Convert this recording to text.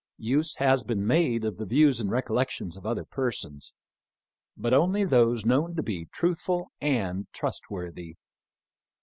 Use has been made of the views and recollections of other persons, but only those known to be truthful and trustworthy.